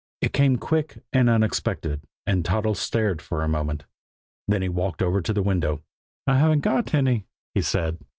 It came quick and unexpected, and Toddles stared for a moment. Then he walked over to the window. "I haven't got any," he said.